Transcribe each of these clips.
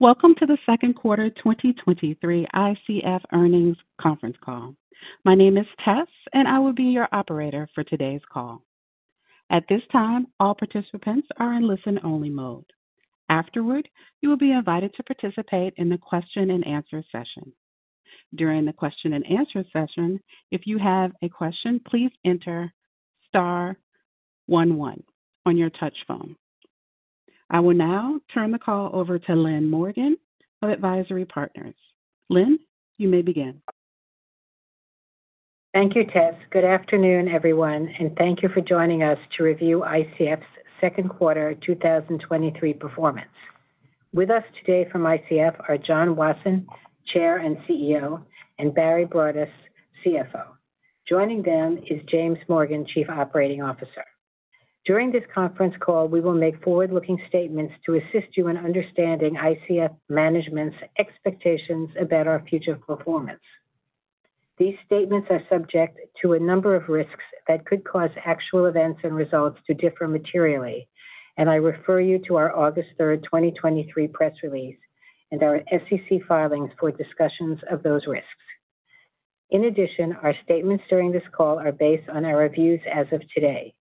Welcome to the second quarter 2023 ICF Earnings Conference Call. My name is Tess. I will be your operator for today's call. At this time, all participants are in listen-only mode. Afterward, you will be invited to participate in the question-and-answer session. During the question-and-answer session, if you have a question, please enter star one one on your touch phone. I will now turn the call over to Lynn Morgan of Advisory Partners. Lynn, you may begin. Thank you, Tess. Good afternoon, everyone, and thank you for joining us to review ICF's Second Quarter 2023 Performance. With us today from ICF are John Wasson, Chair and CEO, and Barry Broadus, CFO. Joining them is James Morgan, Chief Operating Officer. During this conference call, we will make forward-looking statements to assist you in understanding ICF Management's expectations about our future performance. These statements are subject to a number of risks that could cause actual events and results to differ materially. I refer you to our 3 August 2023, press release and our SEC filings for discussions of those risks. In addition, our statements during this call are based on our views as of today.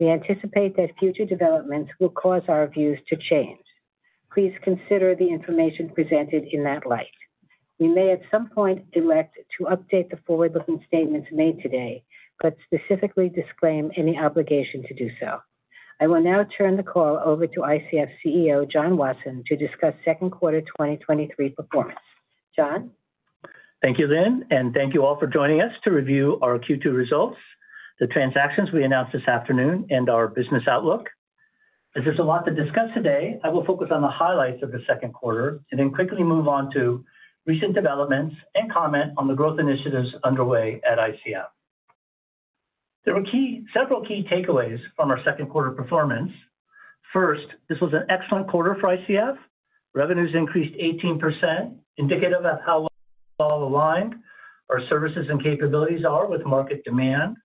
We anticipate that future developments will cause our views to change. Please consider the information presented in that light. We may, at some point, elect to update the forward-looking statements made today, but specifically disclaim any obligation to do so. I will now turn the call over to ICF's CEO, John Wasson, to discuss second quarter 2023 performance. John? Thank you, Lynn, and thank you all for joining us to review our Q2 results, the transactions we announced this afternoon, and our business outlook. As there's a lot to discuss today, I will focus on the highlights of the second quarter and then quickly move on to recent developments and comment on the growth initiatives underway at ICF. There were several key takeaways from our second quarter performance. First, this was an excellent quarter for ICF. Revenues increased 18%, indicative of how well aligned our services and capabilities are with market demand.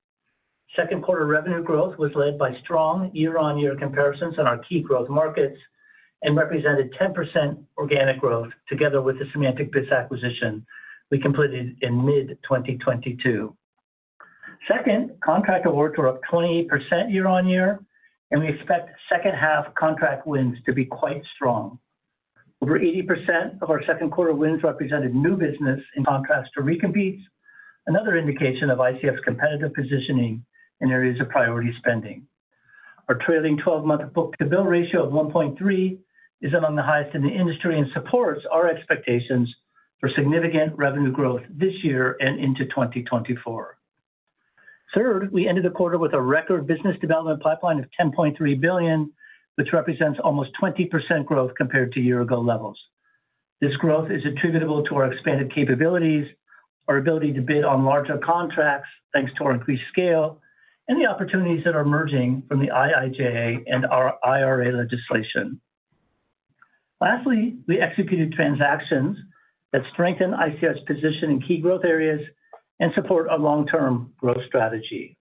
Second quarter revenue growth was led by strong year-on-year comparisons in our key growth markets and represented 10% organic growth together with the SemanticBits acquisition we completed in mid-2022. Second, contract awards were up 28% year-on-year, and we expect second half contract wins to be quite strong. Over 80% of our second quarter wins represented new business in contrast to recompetes, another indication of ICF's competitive positioning in areas of priority spending. Our trailing 12-month book-to-bill ratio of 1.3 is among the highest in the industry and supports our expectations for significant revenue growth this year and into 2024. Third, we ended the quarter with a record business development pipeline of $10.3 billion, which represents almost 20% growth compared to year-ago levels. This growth is attributable to our expanded capabilities, our ability to bid on larger contracts, thanks to our increased scale, and the opportunities that are emerging from the IIJA and our IRA legislation. Lastly, we executed transactions that strengthen ICF's position in key growth areas and support our long-term growth strategy.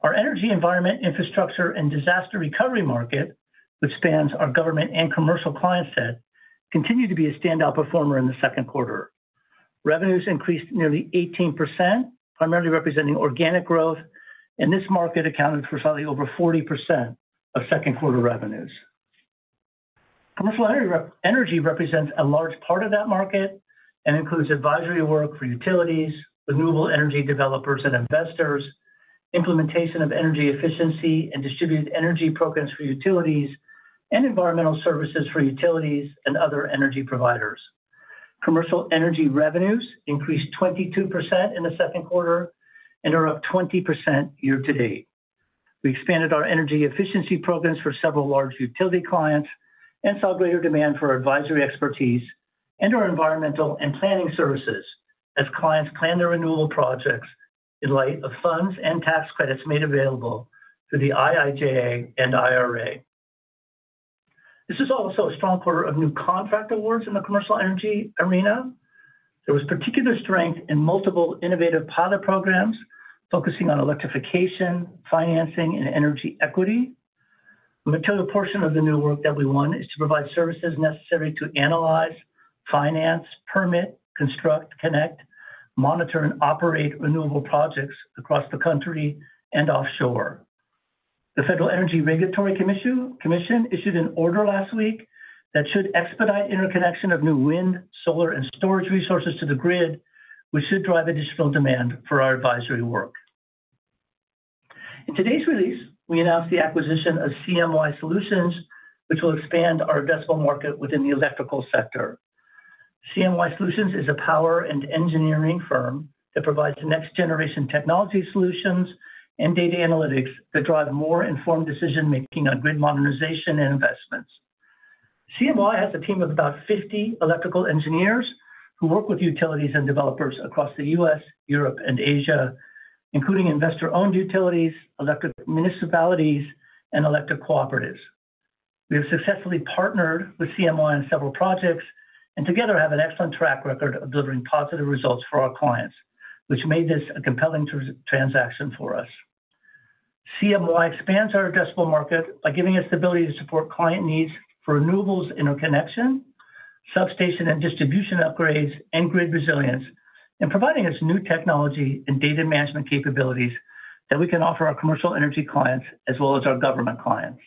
Our energy, environment, infrastructure, and disaster recovery market, which spans our government and commercial client set, continued to be a standout performer in the second quarter. Revenues increased nearly 18%, primarily representing organic growth. This market accounted for slightly over 40% of second-quarter revenues. Commercial energy represents a large part of that market and includes advisory work for utilities, renewable energy developers and investors, implementation of energy efficiency and distributed energy programs for utilities, and environmental services for utilities and other energy providers. Commercial energy revenues increased 22% in the second quarter and are up 20% year to date. We expanded our energy efficiency programs for several large utility clients and saw greater demand for our advisory expertise and our environmental and planning services as clients plan their renewable projects in light of funds and tax credits made available through the IIJA and IRA. This is also a strong quarter of new contract awards in the commercial energy arena. There was particular strength in multiple innovative pilot programs focusing on electrification, financing, and energy equity. A material portion of the new work that we won is to provide services necessary to analyze, finance, permit, construct, connect, monitor, and operate renewable projects across the country and offshore. The Federal Energy Regulatory Commission issued an order last week that should expedite interconnection of new wind, solar, and storage resources to the grid, which should drive additional demand for our advisory work. In today's release, we announced the acquisition of CMY Solutions, which will expand our addressable market within the electrical sector. CMY Solutions is a power and engineering firm that provides next-generation technology solutions and data analytics that drive more informed decision-making on grid modernization and investments. CMY has a team of about 50 electrical engineers who work with utilities and developers across the US, Europe, and Asia, including investor-owned utilities, electric municipalities, and electric cooperatives. We have successfully partnered with CMY on several projects, and together have an excellent track record of delivering positive results for our clients, which made this a compelling transaction for us. CMY expands our addressable market by giving us the ability to support client needs for renewables interconnection, substation and distribution upgrades, and grid resilience, and providing us new technology and data management capabilities that we can offer our commercial energy clients as well as our government clients.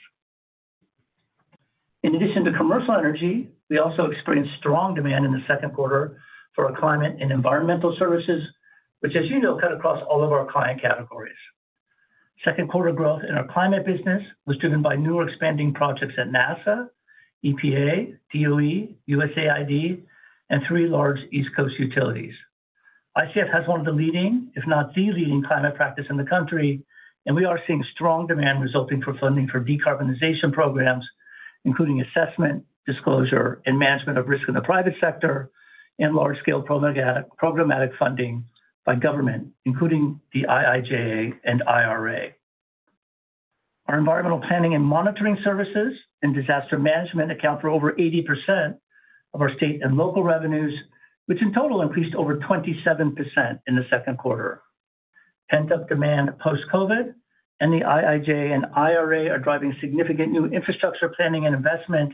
In addition to commercial energy, we also experienced strong demand in the second quarter for our climate and environmental services, which, as you know, cut across all of our client categories. Second quarter growth in our climate business was driven by new or expanding projects at NASA, EPA, DOE, USAID, and three large East Coast utilities. ICF has one of the leading, if not the leading, climate practice in the country, and we are seeing strong demand resulting from funding for decarbonization programs, including assessment, disclosure, and management of risk in the private sector, and large-scale programmatic funding by government, including the IIJA and IRA. Our environmental planning and monitoring services and disaster management account for over 80% of our state and local revenues, which in total increased over 27% in the second quarter. Pent-up demand post-COVID and the IIJA and IRA are driving significant new infrastructure planning and investment,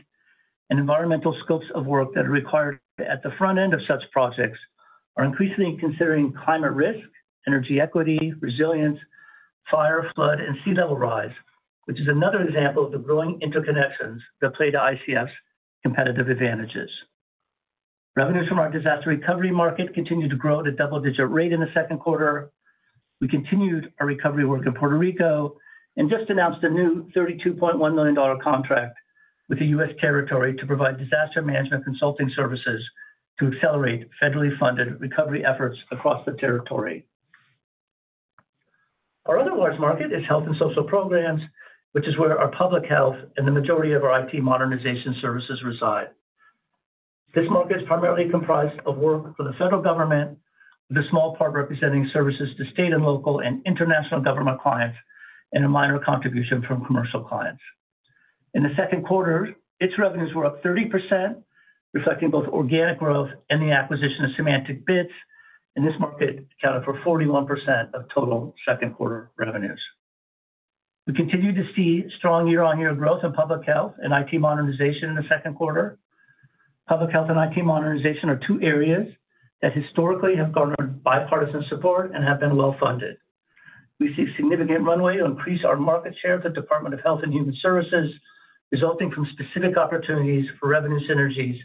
and environmental scopes of work that are required at the front end of such projects are increasingly considering climate risk, energy equity, resilience, fire, flood, and sea level rise, which is another example of the growing interconnections that play to ICF's competitive advantages. Revenues from our disaster recovery market continued to grow at a double-digit rate in the second quarter. We continued our recovery work in Puerto Rico, and just announced a new $32.1 million contract with the U.S. territory to provide disaster management consulting services to accelerate federally funded recovery efforts across the territory. Our other large market is health and social programs, which is where our public health and the majority of our IT modernization services reside. This market is primarily comprised of work for the federal government, with a small part representing services to state and local and international government clients, and a minor contribution from commercial clients. In the second quarter, its revenues were up 30%, reflecting both organic growth and the acquisition of SemanticBits, and this market accounted for 41% of total second quarter revenues. We continued to see strong year-over-year growth in public health and IT modernization in the second quarter. Public health and IT modernization are two areas that historically have garnered bipartisan support and have been well-funded. We see significant runway to increase our market share at the Department of Health and Human Services, resulting from specific opportunities for revenue synergies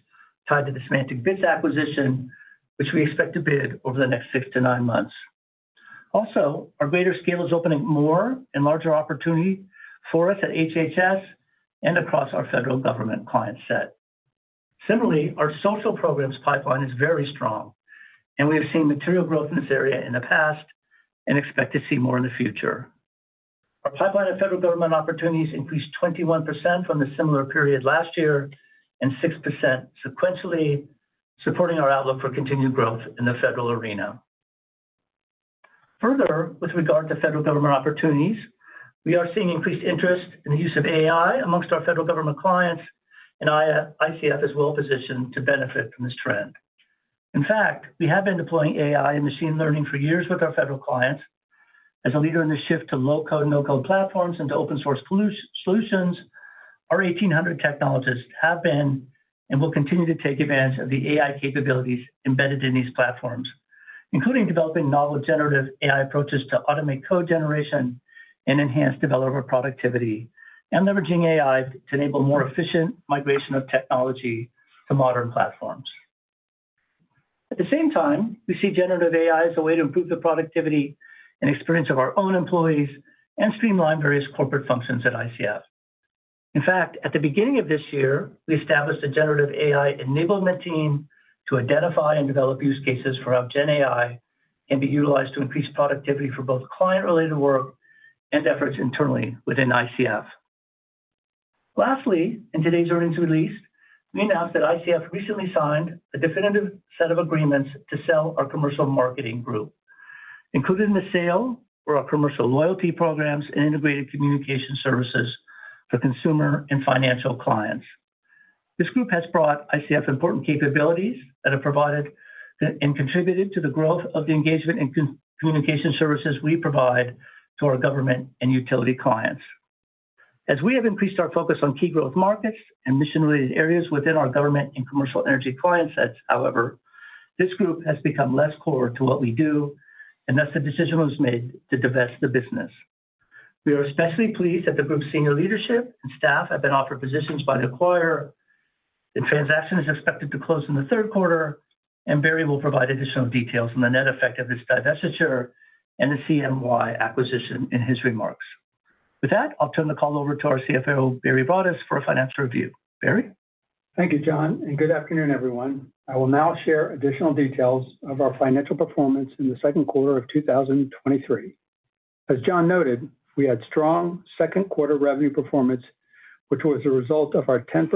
tied to the SemanticBits acquisition, which we expect to bid over the next six to nine months. Our greater scale is opening more and larger opportunity for us at HHS and across our federal government client set. Similarly, our social programs pipeline is very strong, and we have seen material growth in this area in the past and expect to see more in the future. Our pipeline of federal government opportunities increased 21% from the similar period last year, and 6% sequentially, supporting our outlook for continued growth in the federal arena. Further, with regard to federal government opportunities, we are seeing increased interest in the use of AI amongst our federal government clients, ICF is well positioned to benefit from this trend. In fact, we have been deploying AI and machine learning for years with our federal clients. As a leader in the shift to low-code/no-code platforms into open source solutions, our 1,800 technologists have been, and will continue to take advantage of the AI capabilities embedded in these platforms, including developing novel generative AI approaches to automate code generation and enhance developer productivity, and leveraging AI to enable more efficient migration of technology to modern platforms. At the same time, we see generative AI as a way to improve the productivity and experience of our own employees and streamline various corporate functions at ICF. In fact, at the beginning of this year, we established a generative AI enablement team to identify and develop use cases for how gen AI can be utilized to increase productivity for both client-related work and efforts internally within ICF. Lastly, in today's earnings release, we announced that ICF recently signed a definitive set of agreements to sell our commercial marketing group. Included in the sale were our commercial loyalty programs and integrated communication services for consumer and financial clients. This group has brought ICF important capabilities that have provided and contributed to the growth of the engagement and communication services we provide to our government and utility clients. As we have increased our focus on key growth markets and mission-related areas within our government and commercial energy client sets, however, this group has become less core to what we do, and thus the decision was made to divest the business. We are especially pleased that the group's senior leadership and staff have been offered positions by the acquirer. The transaction is expected to close in the third quarter, and Barry will provide additional details on the net effect of this divestiture and the CMY acquisition in his remarks. With that, I'll turn the call over to our CFO, Barry Broadus, for a financial review. Barry? Thank you, John. Good afternoon, everyone. I will now share additional details of our financial performance in the second quarter of 2023. As John noted, we had strong second quarter revenue performance, which was a result of our 10%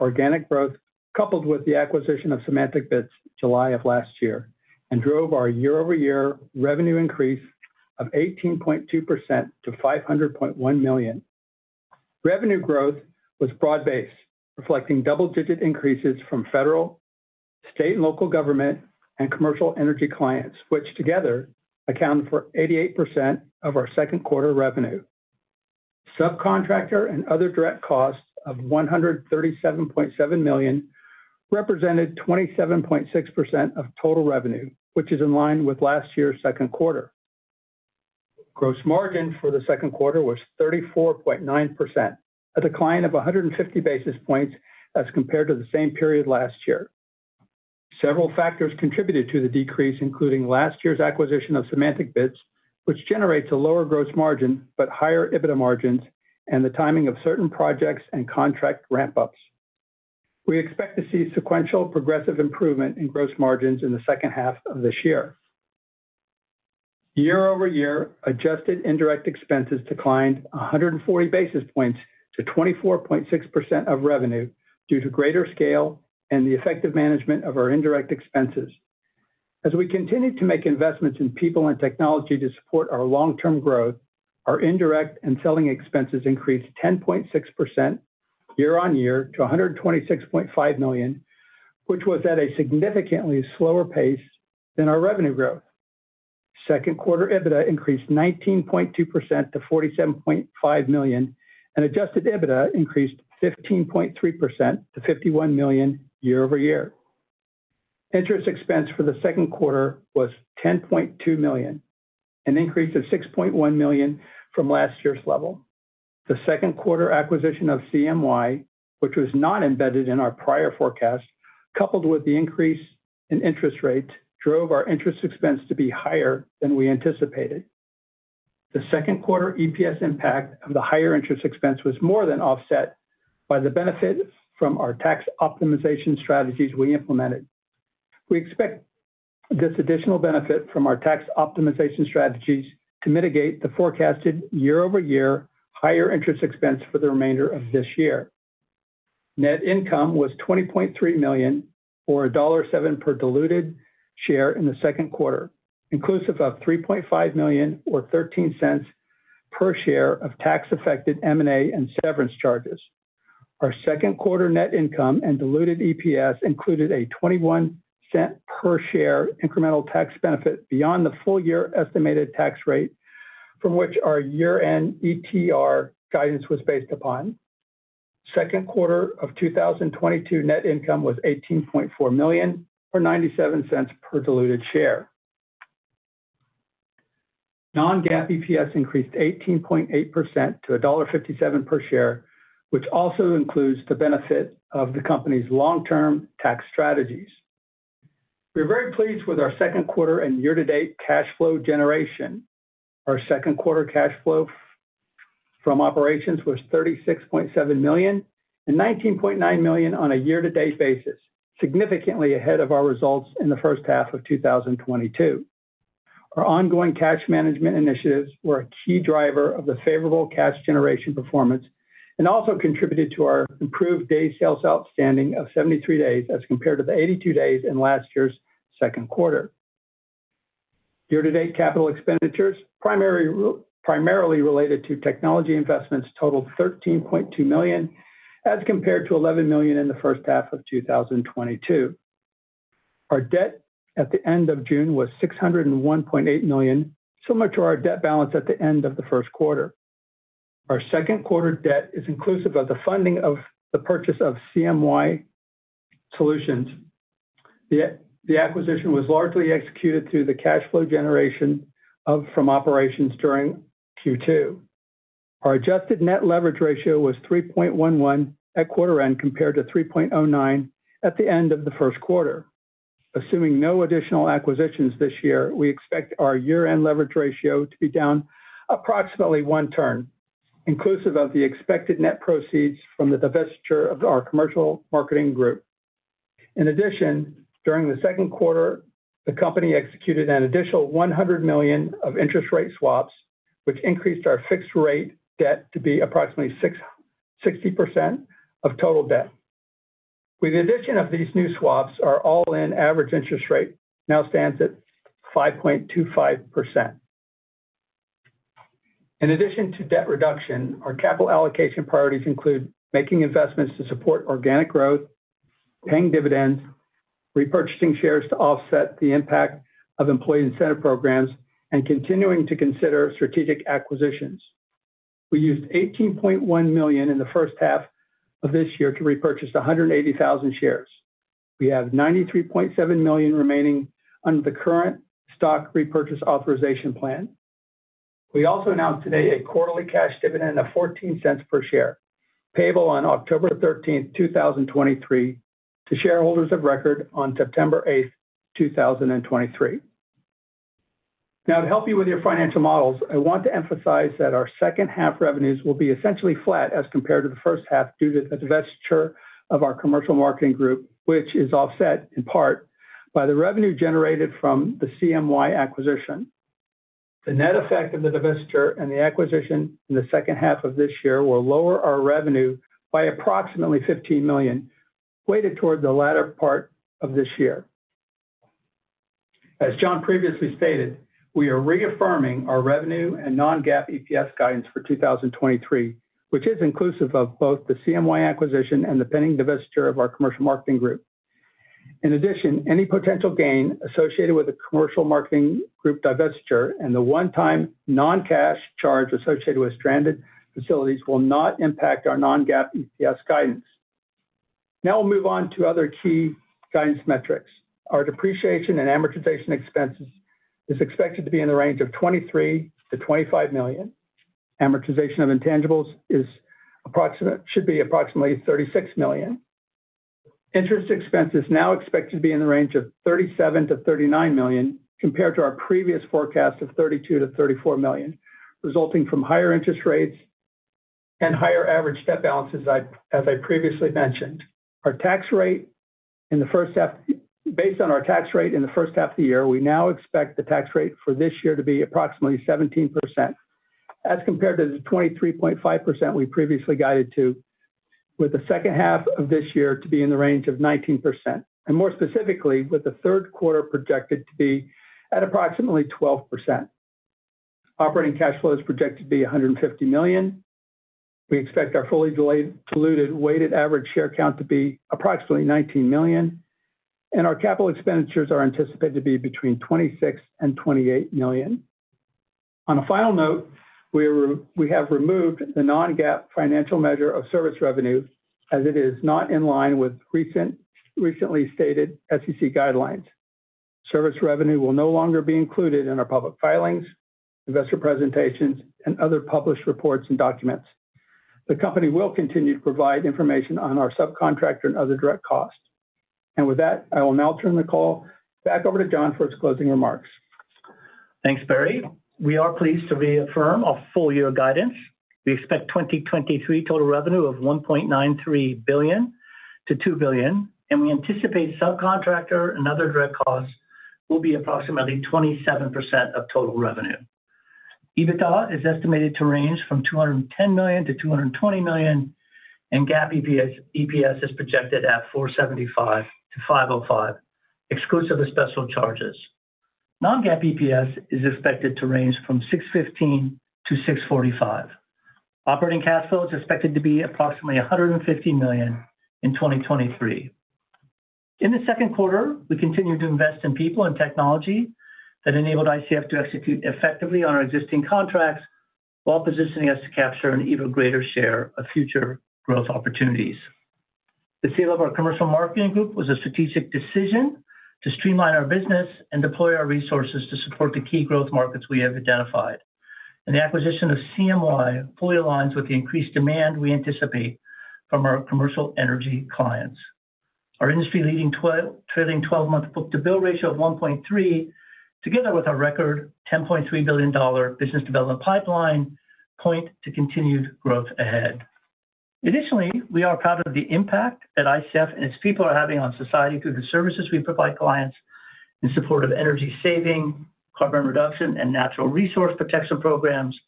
organic growth, coupled with the acquisition of SemanticBits July of last year, and drove our year-over-year revenue increase of 18.2% to $500.1 million. Revenue growth was broad-based, reflecting double-digit increases from federal, state, and local government, and commercial energy clients, which together accounted for 88% of our second quarter revenue. Subcontractor and other direct costs of $137.7 million represented 27.6% of total revenue, which is in line with last year's second quarter. Gross margin for the second quarter was 34.9%, a decline of 150 basis points as compared to the same period last year. Several factors contributed to the decrease, including last year's acquisition of SemanticBits, which generates a lower gross margin but higher EBITDA margins, and the timing of certain projects and contract ramp-ups. We expect to see sequential progressive improvement in gross margins in the second half of this year. Year-over-year, adjusted indirect expenses declined 140 basis points to 24.6% of revenue due to greater scale and the effective management of our indirect expenses. As we continue to make investments in people and technology to support our long-term growth, our indirect and selling expenses increased 10.6% year-on-year to $126.5 million, which was at a significantly slower pace than our revenue growth. Second quarter EBITDA increased 19.2% to $47.5 million, and adjusted EBITDA increased 15.3% to $51 million year-over-year. Interest expense for the second quarter was $10.2 million, an increase of $6.1 million from last year's level. The second quarter acquisition of CMY, which was not embedded in our prior forecast, coupled with the increase in interest rates, drove our interest expense to be higher than we anticipated. The second quarter EPS impact of the higher interest expense was more than offset by the benefit from our tax optimization strategies we implemented. We expect this additional benefit from our tax optimization strategies to mitigate the forecasted year-over-year higher interest expense for the remainder of this year. Net income was $20.3 million, or $1.07 per diluted share in the second quarter, inclusive of $3.5 million or $0.13 per share of tax-affected M&A and severance charges. Our second quarter net income and diluted EPS included a $0.21 per share incremental tax benefit beyond the full year estimated tax rate, from which our year-end ETR guidance was based upon. Second quarter of 2022 net income was $18.4 million, or $0.97 per diluted share. Non-GAAP EPS increased 18.8% to $1.57 per share, which also includes the benefit of the company's long-term tax strategies. We're very pleased with our second quarter and year-to-date cash flow generation. Our second quarter cash flow from operations was $36.7 million and $19.9 million on a year-to-date basis, significantly ahead of our results in the first half of 2022. Our ongoing cash management initiatives were a key driver of the favorable cash generation performance and also contributed to our improved days sales outstanding of 73 days, as compared to the 82 days in last year's second quarter. Year-to-date capital expenditures, primarily related to technology investments, totaled $13.2 million, as compared to $11 million in the first half of 2022. Our debt at the end of June was $601.8 million, similar to our debt balance at the end of the first quarter. Our second quarter debt is inclusive of the funding of the purchase of CMY Solutions. The acquisition was largely executed through the cash flow generation from operations during Q2. Our adjusted net leverage ratio was 3.11 at quarter end, compared to 3.09 at the end of the first quarter. Assuming no additional acquisitions this year, we expect our year-end leverage ratio to be down approximately one turn, inclusive of the expected net proceeds from the divestiture of our commercial marketing group. In addition, during the second quarter, the company executed an additional $100 million of interest rate swaps, which increased our fixed rate debt to be approximately 60% of total debt. With the addition of these new swaps, our all-in average interest rate now stands at 5.25%. In addition to debt reduction, our capital allocation priorities include making investments to support organic growth, paying dividends, repurchasing shares to offset the impact of employee incentive programs, and continuing to consider strategic acquisitions. We used $18.1 million in the first half of this year to repurchase 180,000 shares. We have $93.7 million remaining under the current stock repurchase authorization plan. We also announced today a quarterly cash dividend of $0.14 per share, payable on October 13, 2023, to shareholders of record on September 8, 2023. To help you with your financial models, I want to emphasize that our second half revenues will be essentially flat as compared to the first half, due to the divestiture of our commercial marketing group, which is offset in part by the revenue generated from the CMY acquisition. The net effect of the divestiture and the acquisition in the second half of this year will lower our revenue by approximately $15 million, weighted toward the latter part of this year. As John previously stated, we are reaffirming our revenue and Non-GAAP EPS guidance for 2023, which is inclusive of both the CMY acquisition and the pending divestiture of our commercial marketing group. In addition, any potential gain associated with the commercial marketing group divestiture and the one-time non-cash charge associated with stranded facilities will not impact our Non-GAAP EPS guidance. Now we'll move on to other key guidance metrics. Our depreciation and amortization expenses is expected to be in the range of $23 million to $25 million. Amortization of intangibles should be approximately $36 million. Interest expense is now expected to be in the range of $37 million to $39 million, compared to our previous forecast of $32 million to $34 million, resulting from higher interest rates and higher average debt balances, as I previously mentioned. Based on our tax rate in the first half of the year, we now expect the tax rate for this year to be approximately 17%, as compared to the 23.5% we previously guided to, with the second half of this year to be in the range of 19%, and more specifically, with the third quarter projected to be at approximately 12%. Operating cash flow is projected to be $150 million. We expect our fully delayed, diluted weighted average share count to be approximately 19 million, and our capital expenditures are anticipated to be between $26 million and $28 million. On a final note, we have removed the non-GAAP financial measure of service revenue, as it is not in line with recently stated SEC guidelines. Service revenue will no longer be included in our public filings, investor presentations, and other published reports and documents. The company will continue to provide information on our subcontractor and other direct costs. With that, I will now turn the call back over to John for his closing remarks. Thanks, Barry. We are pleased to reaffirm our full-year guidance. We expect 2023 total revenue of $1.93 billion-$2 billion, and we anticipate subcontractor and other direct costs will be approximately 27% of total revenue. EBITDA is estimated to range from $210 million to $220 million, and GAAP EPS is projected at $4.75-$5.05, exclusive of special charges. Non-GAAP EPS is expected to range from $6.15-$6.45. Operating cash flow is expected to be approximately $150 million in 2023. In the second quarter, we continued to invest in people and technology that enabled ICF to execute effectively on our existing contracts, while positioning us to capture an even greater share of future growth opportunities. The sale of our commercial marketing group was a strategic decision to streamline our business and deploy our resources to support the key growth markets we have identified. The acquisition of CMY fully aligns with the increased demand we anticipate from our commercial energy clients. Our industry-leading trailing 12-month book-to-bill ratio of 1.3, together with our record $10.3 billion business development pipeline, point to continued growth ahead. Additionally, we are proud of the impact that ICF and its people are having on society through the services we provide clients in support of energy saving, carbon reduction, and natural resource protection programs,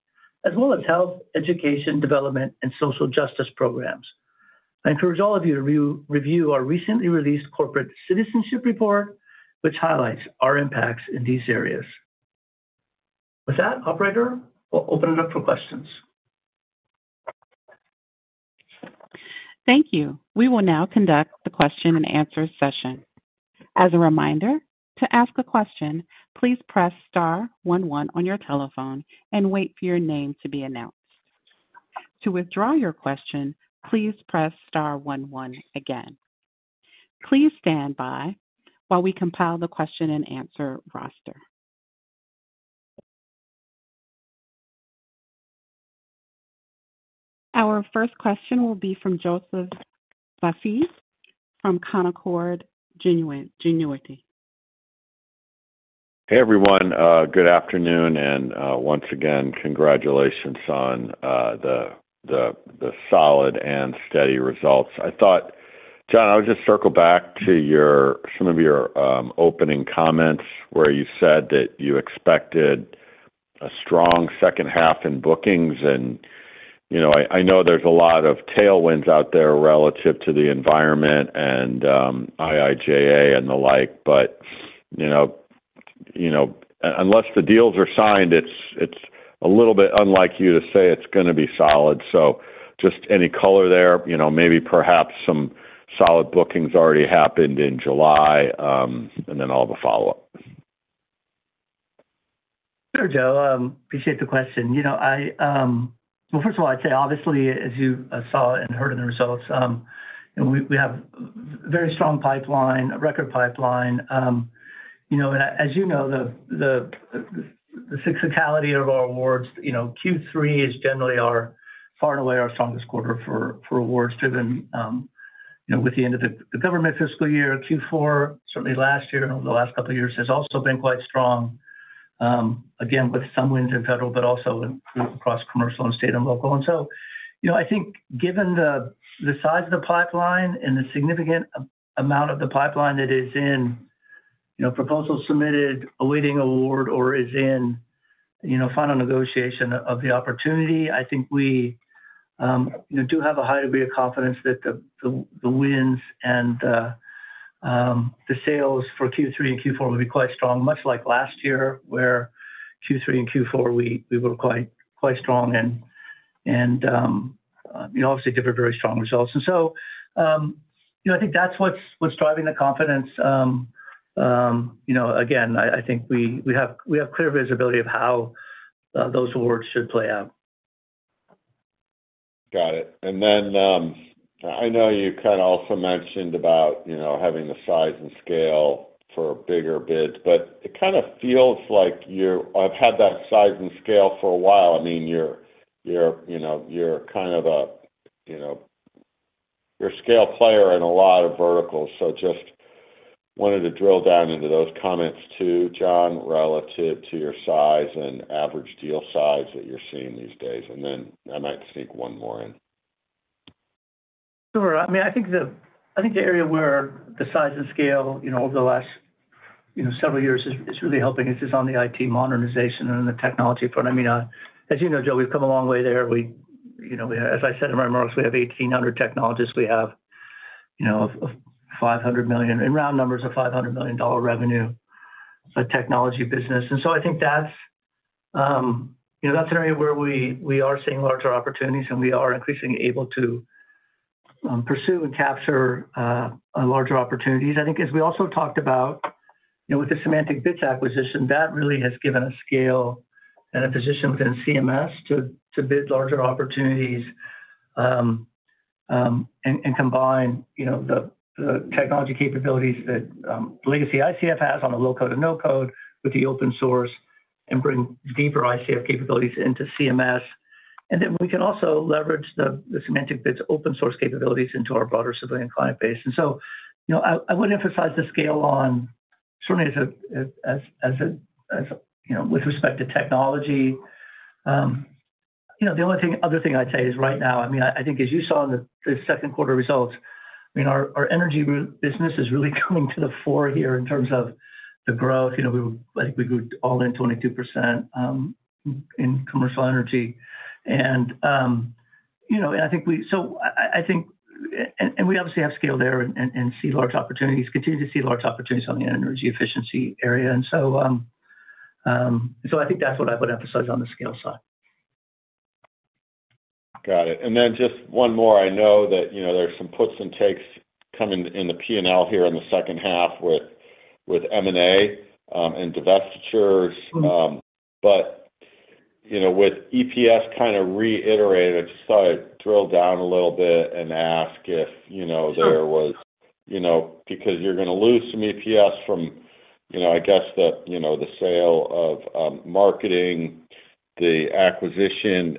as well as health, education, development, and social justice programs. I encourage all of you to review our recently released Corporate Citizenship Report, which highlights our impacts in these areas. With that, operator, we'll open it up for questions. Thank you. We will now conduct the question-and-answer session. As a reminder, to ask a question, please press star one one on your telephone and wait for your name to be announced. To withdraw your question, please press star one one again. Please stand by while we compile the question-and-answer roster. Our first question will be from Joseph Vafi from Canaccord Genuity. Hey, everyone, good afternoon, once again, congratulations on the solid and steady results. I thought, John, I would just circle back to your, some of your opening comments, where you said that you expected a strong second half in bookings. You know, I, I know there's a lot of tailwinds out there relative to the environment and IIJA and the like, but, you know, you know, unless the deals are signed, it's, it's a little bit unlike you to say it's gonna be solid. Just any color there, you know, maybe perhaps some solid bookings already happened in July, and then I'll have a follow-up. Sure, Joe, appreciate the question. You know, Well, first of all, I'd say, obviously, as you saw and heard in the results, we, we have very strong pipeline, a record pipeline. You know, as you know the physicality of our awards, you know, Q3 is generally our, far and away, our strongest quarter for awards, driven, you know, with the end of the, the government fiscal year. Q4, certainly last year and over the last couple of years, has also been quite strong, again, with some wins in federal, but also across commercial and state and local. You know, I think given the, the size of the pipeline and the significant amount of the pipeline that is in, you know, proposals submitted, awaiting award or is in, you know, final negotiation of the opportunity, I think we. We do have a high degree of confidence that the wins and the sales for Q3 and Q4 will be quite strong, much like last year, where Q3 and Q4, we, we were quite, quite strong and, you know, obviously delivered very strong results. You know, I think that's what's driving the confidence. You know, again I think we have, we have clear visibility of how those awards should play out. Got it. Then, I know you kind of also mentioned about, you know, having the size and scale for bigger bids, but it kind of feels like you're have had that size and scale for a while. I mean, you're, you're, you know, you're kind of a, you know, you're a scale player in a lot of verticals. Just wanted to drill down into those comments too, John, relative to your size and average deal size that you're seeing these days. Then I might sneak one more in. Sure. I mean, I think the, I think the area where the size and scale, you know, over the last, you know, several years is, is really helping us is on the IT modernization and the technology front. I mean, as you know, Joe, we've come a long way there. We, you know, as I said in my remarks, we have 1,800 technologists. We have, you know, $500 million, in round numbers, a $500 million revenue, a technology business. I think that's, you know, that's an area where we, we are seeing larger opportunities, and we are increasingly able to, pursue and capture, larger opportunities. I think, as we also talked about, you know, with the SemanticBits acquisition, that really has given us scale and a position within CMS to, to bid larger opportunities, and, and combine, you know, the, the technology capabilities that legacy ICF has on the low-code, and no-code with the open source, and bring deeper ICF capabilities into CMS. We can also leverage the, the SemanticBits open-source capabilities into our broader civilian client base. You know I would emphasize the scale on certainly as, you know, with respect to technology. You know, the only thing- other thing I'd say is right now, I mean, I think as you saw in the, the second quarter results, I mean, our, our energy business is really coming to the fore here in terms of the growth. You know, we, like, we grew all in 22% in commercial energy. You know, I think, and we obviously have scale there and, and, and see large opportunities, continue to see large opportunities on the energy efficiency area. So I think that's what I would emphasize on the scale side. Got it. Then just one more. I know that, you know, there's some puts and takes coming in the P&L here in the second half with, with M&A, and divestitures. But, you know, with EPS kind of reiterated, just thought I'd drill down a little bit and ask if, you know. Sure There was, you know, because you're gonna lose some EPS from, you know, I guess, the, you know, the sale of marketing, the acquisition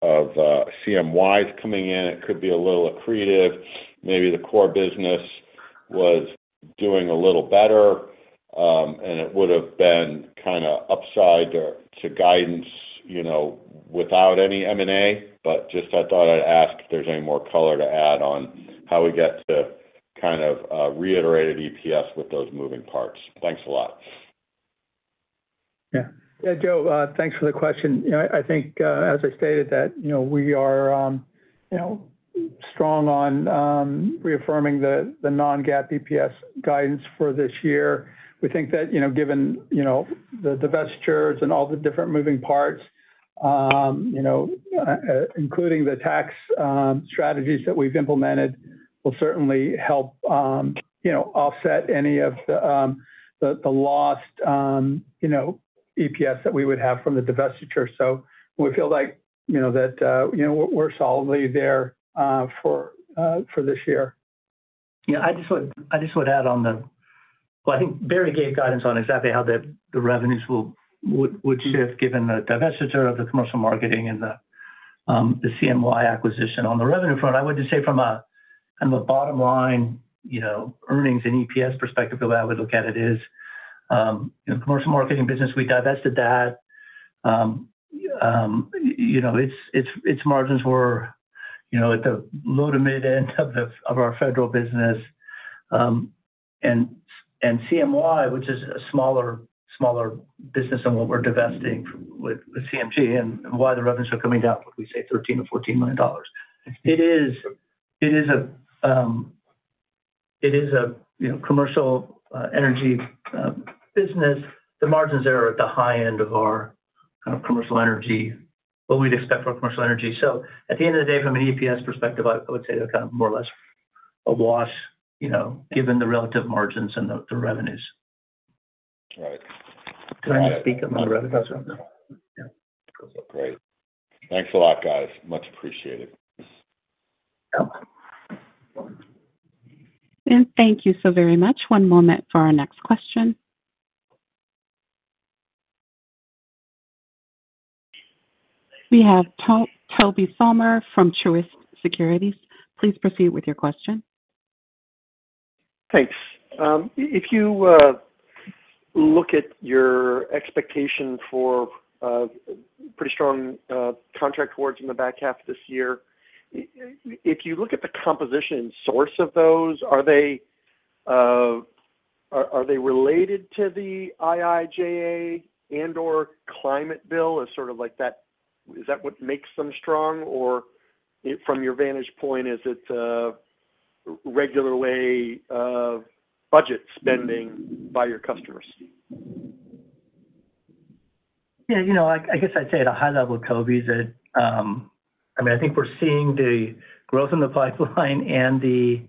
of CMY coming in, it could be a little accretive. Maybe the core business was doing a little better, and it would've been kind of upside to guidance, you know, without any M&A. Just I thought I'd ask if there's any more color to add on how we get to kind of reiterated EPS with those moving parts. Thanks a lot. Yeah. Yeah, Joe, thanks for the question. You know, I think, as I stated, that, you know, we are, you know, strong on, reaffirming the, the Non-GAAP EPS guidance for this year. We think that, you know, given, you know, the divestitures and all the different moving parts, you know, including the tax, strategies that we've implemented, will certainly help, you know, offset any of the, the, the lost, you know, EPS that we would have from the divestiture. We feel like, you know, that, you know, we're, we're solidly there, for, for this year. Yeah, I just would, I just would add on the. Well, I think Barry Broadus gave guidance on exactly how the, the revenues will, would, would shift, given the divestiture of the commercial marketing and the CMY acquisition. On the revenue front, I would just say from a, from a bottom line, you know, earnings and EPS perspective, the way I would look at it is, you know, commercial marketing business, we divested that. You know, its, its, its margins were, you know, at the low to mid end of the, of our federal business. CMY, which is a smaller, smaller business than what we're divesting with, with CMG, and why the revenues are coming down, what did we say, $13 million or $14 million. It is a, you know, commercial energy business. The margins there are at the high end of our kind of commercial energy, what we'd expect for commercial energy. At the end of the day, from an EPS perspective, I would say they're kind of more or less a loss, you know, given the relative margins and the revenues. Right. Did I misspeak on the revenue? That's okay. Thanks a lot, guys. Much appreciated. Yep. Thank you so very much. One moment for our next question. We have Toby Sommer from Truist Securities. Please proceed with your question. Thanks. If you look at your expectation for pretty strong contract awards in the back half of this year, if you look at the composition and source of those, are they related to the IIJA and/or climate bill as sort of like, is that what makes them strong, or from your vantage point, is it a regular way of budget spending by your customers? Yeah, you know, I guess I'd say at a high level, Toby Sommer, that, I mean, I think we're seeing the growth in the pipeline and the,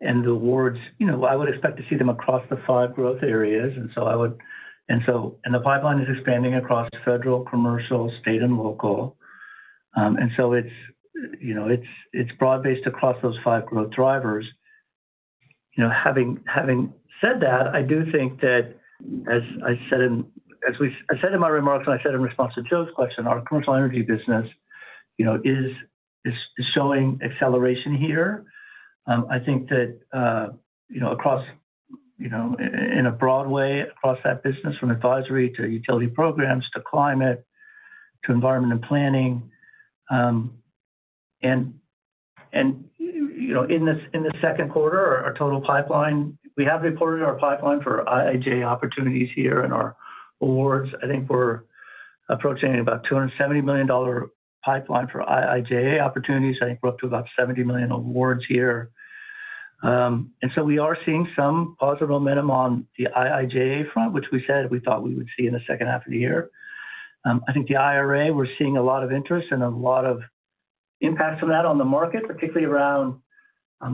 and the awards, you know, I would expect to see them across the five growth areas. The pipeline is expanding across federal, commercial, state, and local. It's, you know, it's, it's broad-based across those five growth drivers. You know, having, having said that, I do think that, as I said in my remarks, and I said in response to Joseph's question, our commercial energy business, you know, is, is showing acceleration here. I think that, you know, across, you know, in a broad way, across that business, from advisory to utility programs to climate to environment and planning. You know, in the, in the second quarter, our total pipeline, we have reported our pipeline for IIJA opportunities here and our awards. I think we're approaching about $270 million pipeline for IIJA opportunities. I think we're up to about $70 million awards a year. We are seeing some positive momentum on the IIJA front, which we said we thought we would see in the second half of the year. I think the IRA, we're seeing a lot of interest and a lot of impact from that on the market, particularly around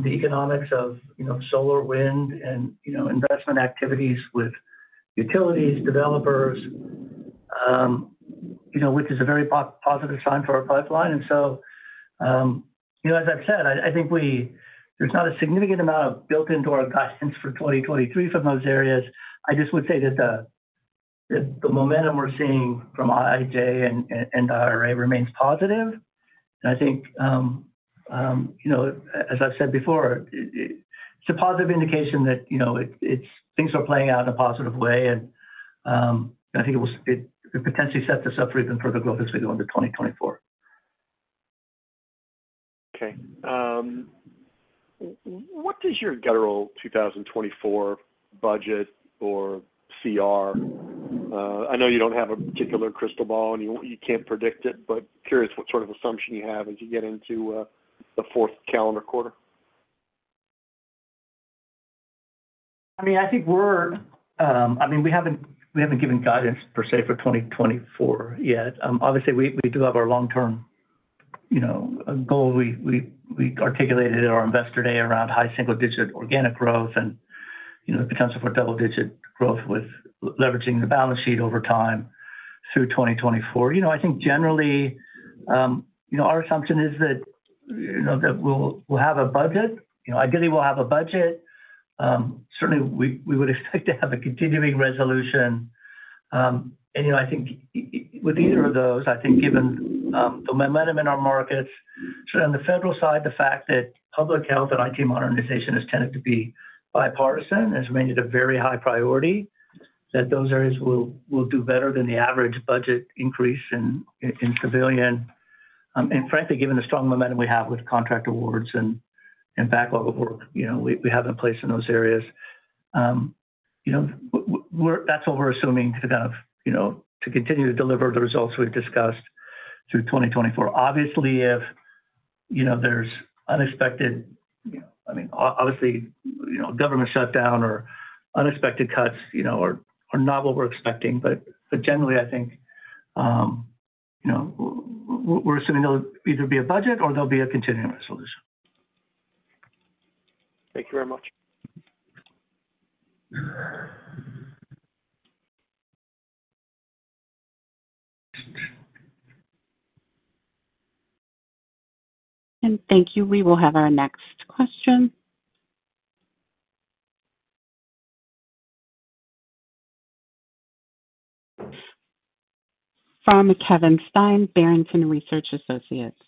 the economics of, you know, solar, wind, and, you know, investment activities with utilities, developers, you know, which is a very positive sign for our pipeline. You know, as I've said I think there's not a significant amount of built into our guidance for 2023 from those areas. I just would say that the, that the momentum we're seeing from IIJA and, and the IRA remains positive. I think, you know, as I've said before, it, it's a positive indication that, you know, things are playing out in a positive way, and I think it potentially set us up for even further growth as we go into 2024. Okay. What does your general 2024 budget or CR I know you don't have a particular crystal ball, and you, you can't predict it, but curious what sort of assumption you have as you get into the fourth calendar quarter? I mean, I think we're, I mean, we haven't, we haven't given guidance per se for 2024 yet. Obviously, we, we do have our long-term, you know, goal. We, we, we articulated at our Investor Day around high single-digit organic growth and, you know, the potential for double-digit growth with leveraging the balance sheet over time through 2024. You know, I think generally, you know, our assumption is that, you know, that we'll, we'll have a budget. You know, ideally, we'll have a budget. Certainly, we, we would expect to have a continuing resolution. You know, I think with either of those, I think given, the momentum in our markets, certainly on the federal side, the fact that public health and IT modernization has tended to be bipartisan, has made it a very high priority, that those areas will, will do better than the average budget increase in civilian. Frankly, given the strong momentum we have with contract awards and, and backlog of work, you know, we, we have in place in those areas, you know, that's what we're assuming to kind of, you know, to continue to deliver the results we've discussed through 2024. Obviously, if, you know, there's unexpected, you know, I mean, obviously, you know, government shutdown or unexpected cuts, you know, are, are not what we're expecting. Generally, I think, you know, we're assuming there'll either be a budget or there'll be a continuing resolution. Thank you very much. Thank you. We will have our next question. From Kevin Steinke, Barrington Research Associates.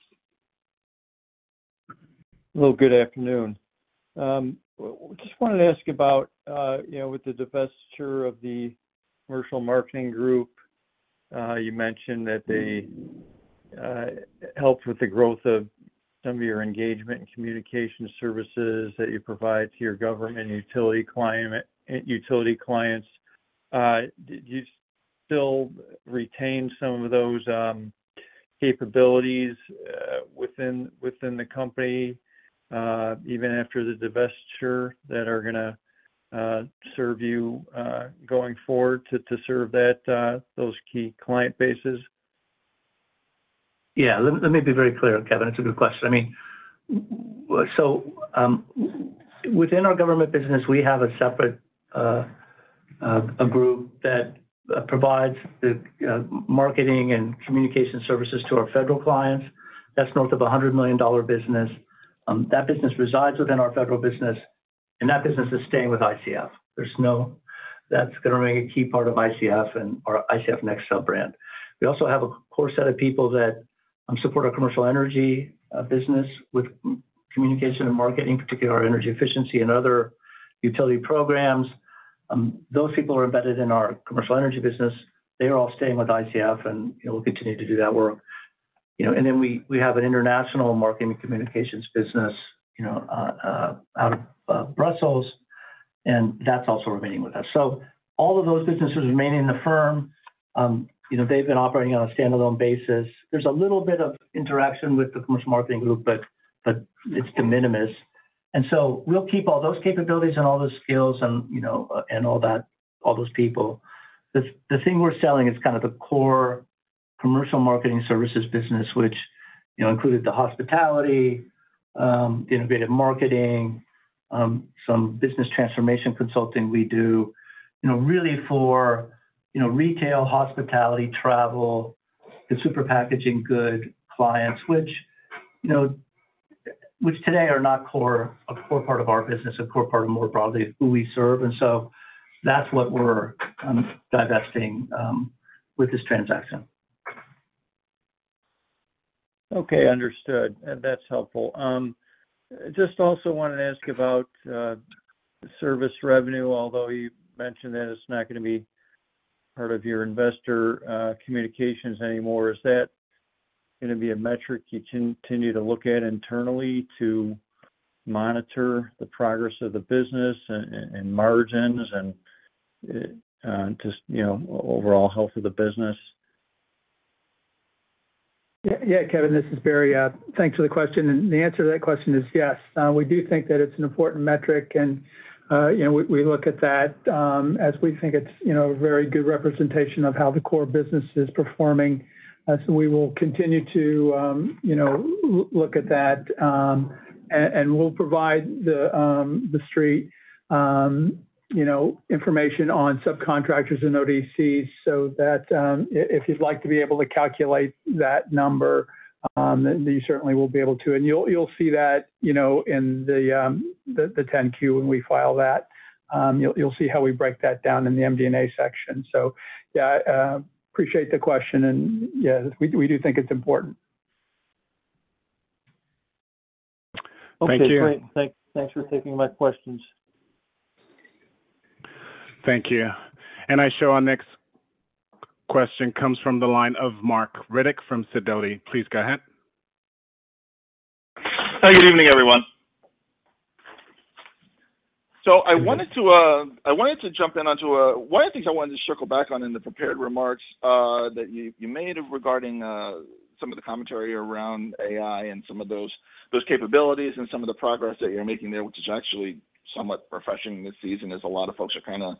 Well, good afternoon. Just wanted to ask about, you know, with the divestiture of the commercial marketing group, you mentioned that they helped with the growth of some of your engagement and communication services that you provide to your government and utility client- utility clients. Do you still retain some of those capabilities within, within the company, even after the divestiture, that are gonna serve you going forward to, to serve that those key client bases? Yeah. Let me, let me be very clear, Kevin. It's a good question. I mean, within our government business, we have a separate group that provides the marketing and communication services to our federal clients. That's north of a $100 million business. That business resides within our federal business, and that business is staying with ICF. That's gonna remain a key part of ICF and our ICF Next sub-brand. We also have a core set of people that support our commercial energy business with communication and marketing, in particular, energy efficiency and other utility programs. Those people are embedded in our commercial energy business. They are all staying with ICF, and, you know, we'll continue to do that work. you know, we, we have an international marketing and communications business, you know, out of Brussels, and that's also remaining with us. All of those businesses remaining in the firm, you know, they've been operating on a standalone basis. There's a little bit of interaction with the commercial marketing group, but, but it's de minimis. We'll keep all those capabilities and all those skills and, you know, and all that, all those people. The, the thing we're selling is kind of the core commercial marketing services business, which, you know, included the hospitality, the innovative marketing, some business transformation consulting we do, you know, really for, you know, retail, hospitality, travel, the super packaging good clients, which, you know, which today are not core, a core part of our business, a core part of more broadly who we serve, and so that's what we're kind of divesting with this transaction. Okay, understood. That's helpful. Just also wanted to ask about service revenue. Although you mentioned that it's not gonna be part of your investor communications anymore, is that gonna be a metric you continue to look at internally to monitor the progress of the business and, and, and margins and, just, you know, overall health of the business? Yeah. Yeah, Kevin, this is Barry. Thanks for the question. The answer to that question is yes. We do think that it's an important metric, and, you know, we, we look at that, as we think it's, you know, a very good representation of how the core business is performing. We will continue to, you know, look at that, and, and we'll provide the street, you know, information on subcontractors and ODCs so that, if you'd like to be able to calculate that number, then you certainly will be able to. You'll, you'll see that, you know, in the 10-Q when we file that. You'll, you'll see how we break that down in the MD&A section. Yeah, appreciate the question, and, yeah we do think it's important. Thank you. Okay, great. Thanks, thanks for taking my questions. Thank you. I show our next question comes from the line of Marc Riddick from Sidoti. Please go ahead. Good evening, everyone. I wanted to, I wanted to jump in onto, one of the things I wanted to circle back on in the prepared remarks, that you, you made regarding, some of the commentary around AI and some of those, those capabilities and some of the progress that you're making there, which is actually somewhat refreshing this season, as a lot of folks are kinda,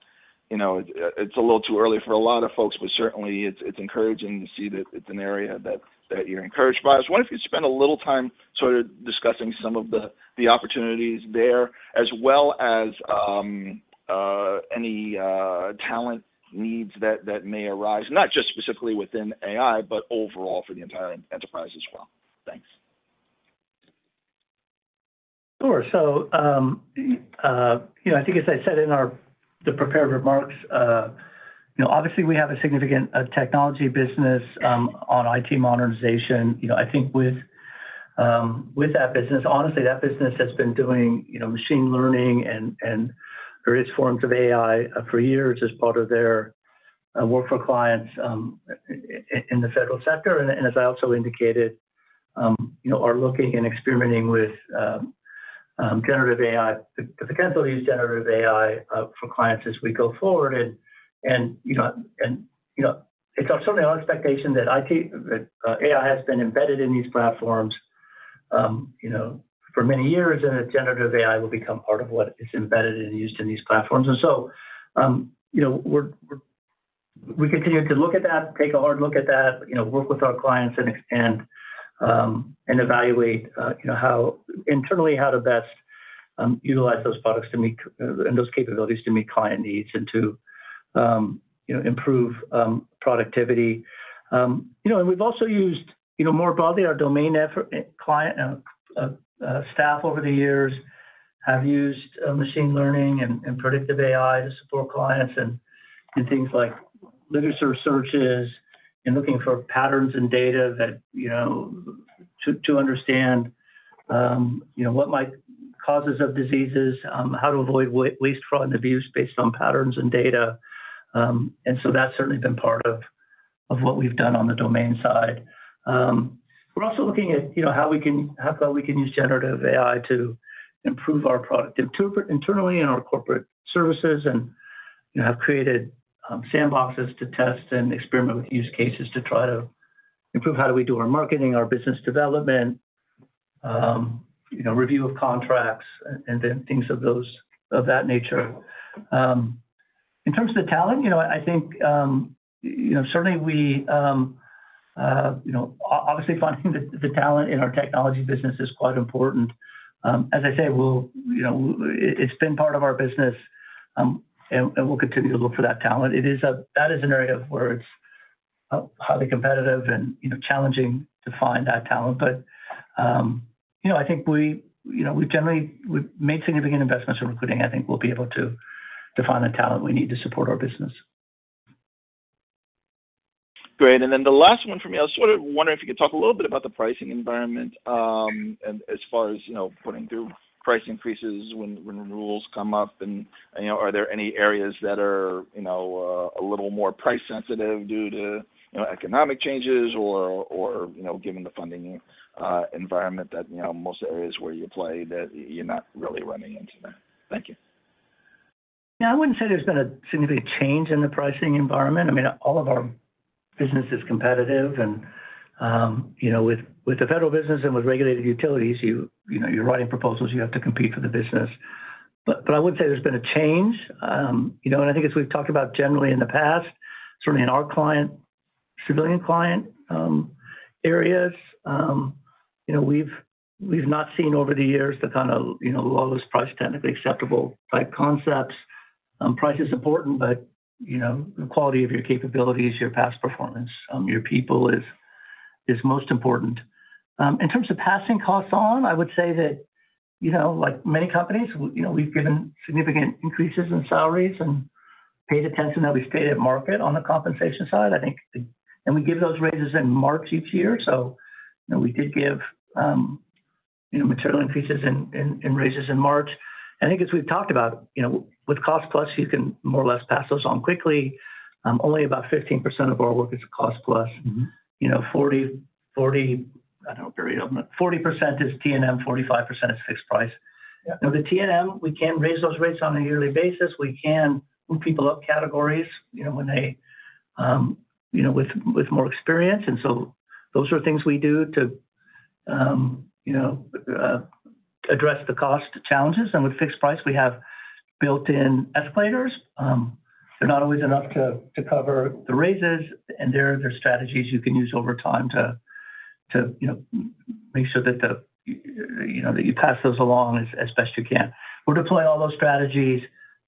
you know, it's a little too early for a lot of folks, but certainly it's, it's encouraging to see that it's an area that, that you're encouraged by. I was wondering if you'd spend a little time sort of discussing some of the, the opportunities there, as well as, any, talent needs that, that may arise, not just specifically within AI, but overall for the entire enterprise as well. Thanks. Sure. You know, I think as I said in our, the prepared remarks, you know, obviously we have a significant technology business on IT modernization. You know, I think with that business, honestly, that business has been doing, you know, machine learning and various forms of AI for years as part of their work for clients in the federal sector, and as I also indicated, you know, are looking and experimenting with generative AI. The potential to use generative AI for clients as we go forward, and, and, you know, and, you know, it's certainly our expectation that IT, that AI has been embedded in these platforms, you know, for many years, and that generative AI will become part of what is embedded and used in these platforms. So, you know, we're we continue to look at that, take a hard look at that, you know, work with our clients and, and evaluate, you know, how internally, how to best utilize those products to meet and those capabilities to meet client needs and to, you know, improve productivity. You know, we've also used, you know, more broadly, our domain effort, client staff over the years have used machine learning and predictive AI to support clients and things like literature searches and looking for patterns in data that, you know, to, to understand, you know, what might causes of diseases, how to avoid waste fraud and abuse based on patterns and data. So that's certainly been part of, of what we've done on the domain side. We're also looking at, you know, how we can use generative AI to improve our product internally in our corporate services and, have created sandboxes to test and experiment with use cases to try to improve how do we do our marketing, our business development, you know, review of contracts, and then things of that nature. In terms of the talent, you know, I think, you know, certainly we, you know, obviously finding the talent in our technology business is quite important. As I say, we'll. You know, it's been part of our business, and we'll continue to look for that talent. That is an area where it's highly competitive and, you know, challenging to find that talent. You know, I think we, you know, we generally, we've made significant investments in recruiting. I think we'll be able to find the talent we need to support our business. Great. Then the last one for me, I was sort of wondering if you could talk a little bit about the pricing environment, and as far as, you know, putting through price increases when, when rules come up. You know, are there any areas that are, you know, a little more price sensitive due to, you know, economic changes or, or, you know, given the funding environment that, you know, most areas where you play, that you're not really running into that? Thank you. Yeah, I wouldn't say there's been a significant change in the pricing environment. I mean, all of our business is competitive and, you know, with the federal business and with regulated utilities, you know, you're writing proposals, you have to compete for the business. But I would say there's been a change. You know, and I think as we've talked about generally in the past, certainly in our client, civilian client, areas, you know, we've not seen over the years the kind of, you know, Lowest Price Technically Acceptable type concepts. Price is important, but, you know, the quality of your capabilities, your past performance, your people is most important. In terms of passing costs on, I would say that, you know, like many companies, you know, we've given significant increases in salaries and paid attention that we stay at market on the compensation side. We give those raises in March each year, so, you know, we did give, you know, material increases in raises in March. I think as we've talked about, you know, with cost-plus, you can more or less pass those on quickly. Only about 15% of our work is cost-plus. You know, 40, 40, I don't have it written down, but 40% is T&M, 45% is fixed-price. Yeah. Now, the T&M, we can raise those rates on a yearly basis. We can move people up categories, you know, when they, you know, with, with more experience. So those are things we do to, you know, address the cost challenges. With fixed-price, we have built-in escalators. They're not always enough to, to cover the raises, and there are other strategies you can use over time to, to, you know, make sure that the, you know, that you pass those along as, as best you can. We're deploying all those strategies.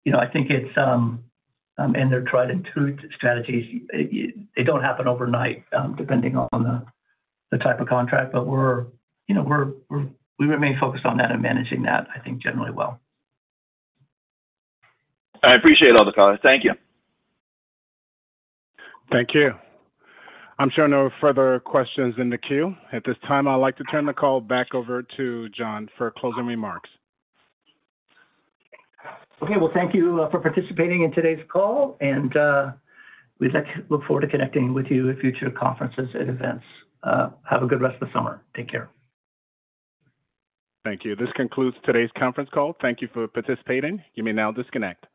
You know, I think it's, and they're tried-and-true strategies. They don't happen overnight, depending on the, the type of contract. We're, you know, we remain focused on that and managing that, I think, generally well. I appreciate all the color. Thank you. Thank you. I'm showing no further questions in the queue. At this time, I'd like to turn the call back over to John for closing remarks. Okay. Well, thank you for participating in today's call. We'd like to look forward to connecting with you at future conferences and events. Have a good rest of the summer. Take care. Thank you. This concludes today's conference call. Thank you for participating. You may now disconnect.